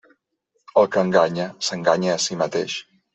El que enganya, s'enganya a si mateix.